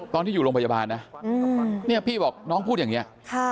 ตอนที่อยู่โรงพยาบาลนะเนี่ยพี่บอกน้องพูดอย่างนี้